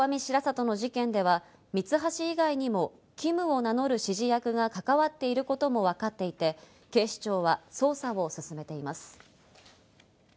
大網白里市の事件では、ミツハシ以外にもキムを名乗る指示役が関わっていることもわかっていて、警視庁は捜査を進めています。